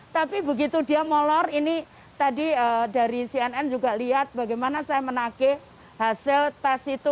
tapi begitu dia molor ini tadi dari cnn juga lihat bagaimana saya menagih hasil tes itu